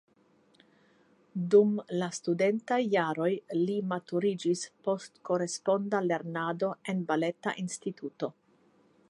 Dum la studentaj jaroj li maturiĝis post koresponda lernado en Baleta Instituto.